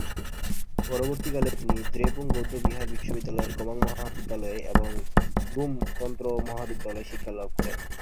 পরবর্তীকালে তিনি দ্রেপুং বৌদ্ধবিহার বিশ্ববিদ্যালয়ের গোমাং মহাবিদ্যালয়ে এবং গ্যুমে তন্ত্র মহাবিদ্যালয়ে শিক্ষালাভ করেন।